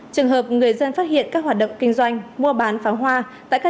trường hợp người dân phát hiện các hoạt động kinh doanh mua bán pháo hoa tại các địa điểm ngoài pháo hoa